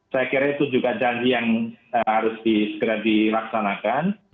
saya kira itu juga janji yang harus segera dilaksanakan